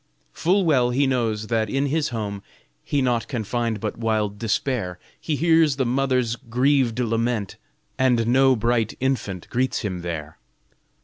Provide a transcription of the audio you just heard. Full well he knows that in his home He naught can find but wild despair, He hears the mother's grieved lament And no bright infant greets him there.